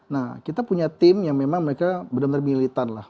nah kita punya tim yang memang mereka benar benar militan lah